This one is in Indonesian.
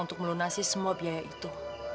untuk melunasi semua biaya itu